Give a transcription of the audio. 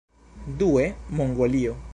Due, Mongolio.